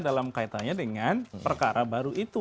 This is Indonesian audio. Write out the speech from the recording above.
dalam kaitannya dengan perkara baru itu